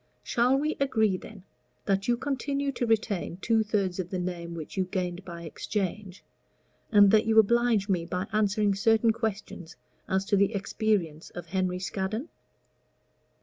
Shall we agree, then, that you continue to retain two thirds of the name which you gained by exchange, and that you oblige me by answering certain questions as to the experience of Henry Scaddon?"